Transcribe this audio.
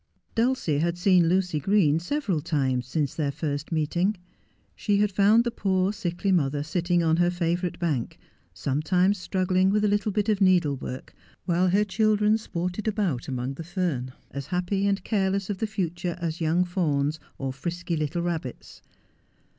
Dulcie had seen Lucy Green several times since their first meeting. She had found the poor, sickly mother sitting on her favourite bank, sometimes struggling with a little bit of needle 270 Just as I Am. work, while her children sported about among the fern, as happy and careless of the future as young fawns, or frisky little rabbits.